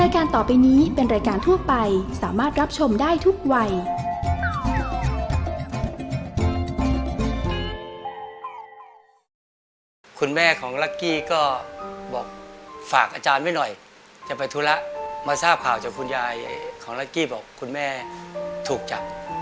คุณแม่ของลักกี้ก็บอกฝากอาจารย์ไว้หน่อยจะไปธุระมาทราบข่าวจากคุณยายของลักกี้บอกคุณแม่ถูกจับ